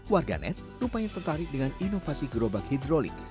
warga net rupanya tertarik dengan inovasi gerobak hidrolik